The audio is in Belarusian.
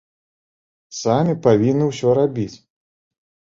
Самі павінны ўсё рабіць.